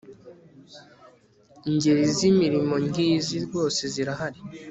ingeri z'imirimo ngizi rwose zirahari